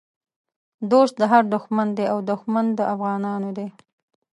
دوست د هر دښمن دی او دښمن د افغانانو دی